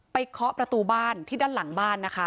เคาะประตูบ้านที่ด้านหลังบ้านนะคะ